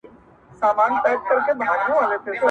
له نیکانو سره ظلم دی جفا ده ,